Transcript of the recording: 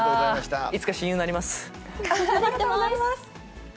いつか親友になります。